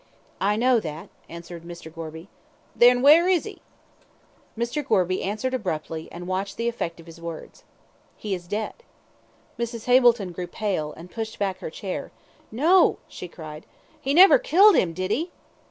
"I know that," answered Mr. Gorby. "Then where is 'e?" Mr. Gorby answered abruptly, and watched the effect of his words. "He is dead." Mrs. Hableton grew pale, and pushed back her chair. "No," she cried, "he never killed 'im, did 'e?"